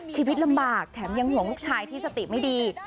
ชีวิตลำบากแถมยังห่วงลูกชายที่สติไม่ดี